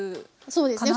そうですね。